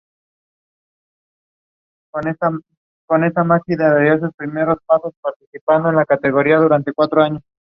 His mother is from Croatia.